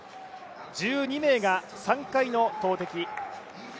１２名が３回の投てき。